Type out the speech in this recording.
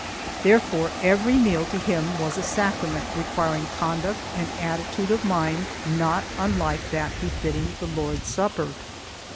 Therefore every meal to him was a sacrament requiring conduct and attitude of mind not unlike that befitting the Lord's Supper.